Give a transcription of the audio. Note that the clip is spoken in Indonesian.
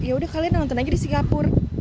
yaudah kalian nonton aja di singapura